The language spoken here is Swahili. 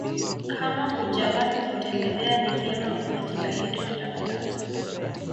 kama hujawahi kutembelea ni vyema ukajitahidi kutafuta